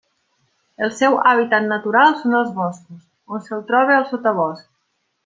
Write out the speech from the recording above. El seu hàbitat natural són els boscos, on se'l troba al sotabosc.